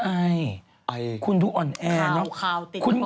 ไอส์ขาวติดมาเขา